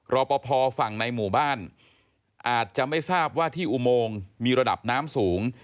รอปภฝั่งในหมู่บ้านอาจจะไม่ทราบว่าที่อุโมงมีระดับน้ำสูง